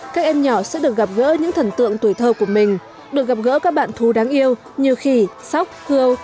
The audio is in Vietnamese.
các em nhỏ sẽ được gặp gỡ những thần tượng tuổi thơ của mình được gặp gỡ các bạn thú đáng yêu như khỉ sóc cưa